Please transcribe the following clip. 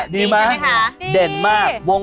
ดีใช่มั้ยคะ